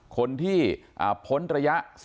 คนที่พ้นระยะ